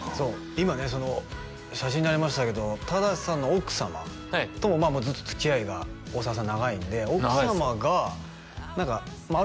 今ね写真にありましたけど忠さんの奥様ともずっとつきあいが大沢さん長いんで長いですよ